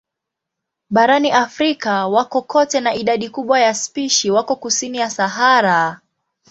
Barani Afrika wako kote na idadi kubwa ya spishi wako kusini ya Sahara.